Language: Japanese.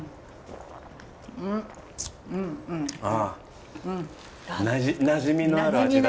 ああなじみのある味だ。